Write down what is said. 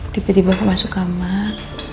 tiba tiba masuk kamar